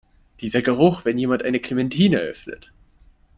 Dieser Geruch, wenn jemand eine Clementine öffnet!